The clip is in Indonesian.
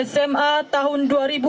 sma tahun dua ribu sebelas